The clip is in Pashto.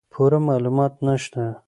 پوره معلومات نشته